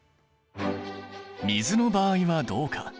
水の場合はどうか？